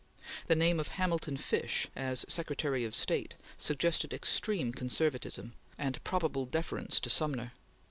The name of Hamilton Fish, as Secretary of State, suggested extreme conservatism and probable deference to Sumner.